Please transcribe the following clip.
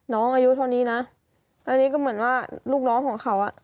อายุเท่านี้นะแล้วนี่ก็เหมือนว่าลูกน้องของเขาอ่ะ